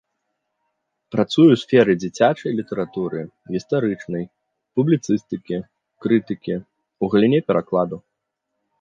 Працуе ў сферы дзіцячай літаратуры, гістарычнай, публіцыстыкі, крытыкі, у галіне перакладу.